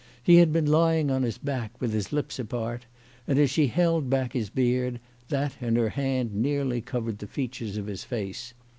He had been lying on his back, with his lips apart, and, as she held back his beard, that and her hand nearly covered the features of his face.